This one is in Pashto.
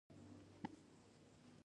شودې تازه دي.